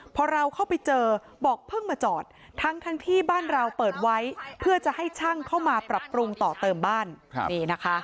พอเราเข้าไปเจอบอกเพิ่งมาจอดทั้งที่บ้านเราเปิดไว้เพื่อจะให้ช่างเข้ามาปรับปรุงต่อเติมบ้านนี่นะคะ